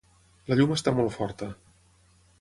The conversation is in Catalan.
La llum està molt forta.